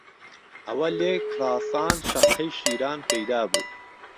ئهوه لێک ڕاسان شهققەی شیران پهیدابو